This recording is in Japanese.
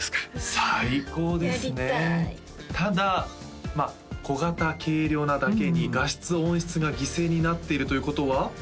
最高ですねやりたいただまあ小型軽量なだけに画質音質が犠牲になっているということは？